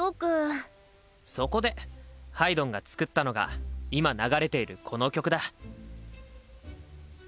そこでハイドンが作ったのが今流れているこの曲だ。